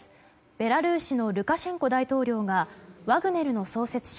ベラルーシのルカシェンコ大統領がワグネルの創設者